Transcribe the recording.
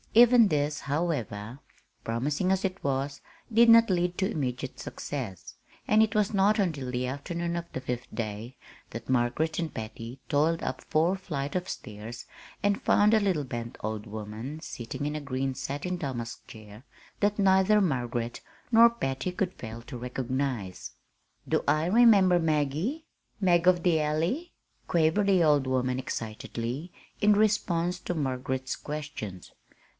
Even this, however, promising as it was, did not lead to immediate success, and it was not until the afternoon of the fifth day that Margaret and Patty toiled up four flights of stairs and found a little bent old woman sitting in a green satin damask chair that neither Margaret nor Patty could fail to recognize. "Do I remember 'Maggie'? 'Mag of the Alley'?" quavered the old woman excitedly in response to Margaret's questions.